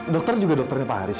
dokter juga dokternya pak haris